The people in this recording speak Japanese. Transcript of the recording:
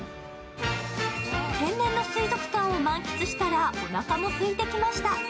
天然の水族館を満喫したらおなかも空いてきました。